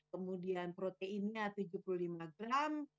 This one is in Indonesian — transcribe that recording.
kemudian proteinnya tujuh puluh lima gram